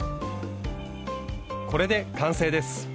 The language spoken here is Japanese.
これで完成です。